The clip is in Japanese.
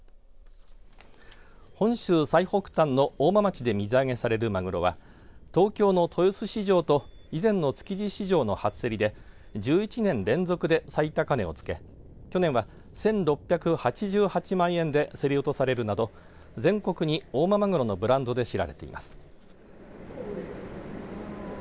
本州最北端の大間町で水揚げされるまぐろは東京の豊洲市場と以前の築地市場の初競りで１１年連続で最高値をつけ去年は１６８８万円で競り落とされるなど全国に大間まぐろのブランドで知られています。